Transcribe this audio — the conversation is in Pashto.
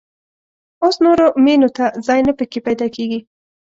اوس نورو مېنو ته ځای نه په کې پيدا کېږي.